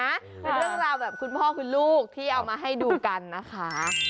เป็นเรื่องราวแบบคุณพ่อคุณลูกที่เอามาให้ดูกันนะคะ